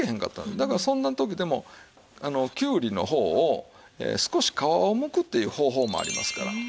だからそんな時でもきゅうりの方を少し皮をむくという方法もありますから。